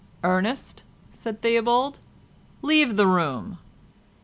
"Ernest," said Theobald, "leave the room."